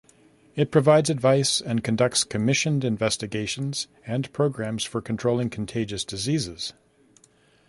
It provides advice and conducts commissioned investigations and programmes for controlling contagious diseases.